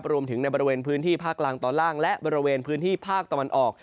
ในบริเวณพื้นที่ภาคกลางตอนล่างและบริเวณพื้นที่ภาคตะวันออก